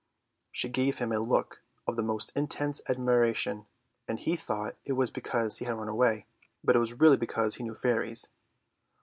She gave him a look of the most intense admiration, and he thought it was because he had run away, but it was really because he knew fairies.